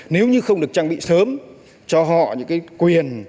nếu như không được trang bị sớm cho họ những cái quyền